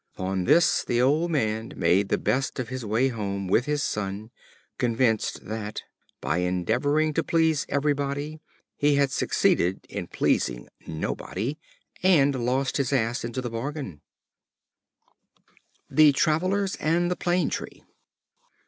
Upon this the old Man made the best of his way home with his Son convinced that, by endeavoring to please every body, he had succeeded in pleasing nobody, and lost his Ass into the bargain. The Travelers and the Plane Tree.